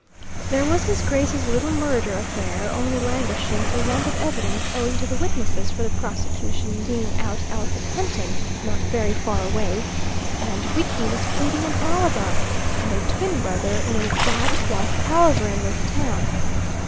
There was his grace's little murder affair only languishing for want of evidence owing to the witnesses for the prosecution being out elephant hunting not very far away; and Wiki was pleading an alibi, and a twin brother, in a bad wife palaver in this town.